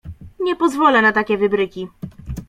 Nie pozwolę na takie wybryki.